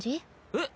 えっ？